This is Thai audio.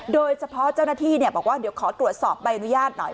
โดยเฉพาะเจ้าหน้าที่เนี้ยบอกว่าเดี๋ยวขอตรวจสอบใบอนุญาตหน่อย